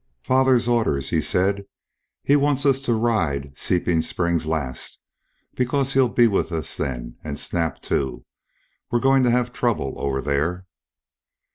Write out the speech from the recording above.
"Father's orders," he said. "He wants us to ride Seeping Springs last because he'll be with us then, and Snap too. We're going to have trouble over there."